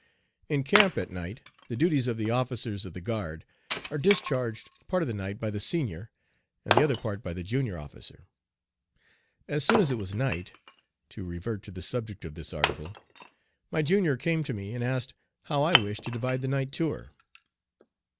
In camp at night the duties of the officers of the guard are discharged part of the night by the senior and the other part by the junior officer. As soon as it was night to revert to the subject of this article my junior came to me and asked how I wished to divide the night tour.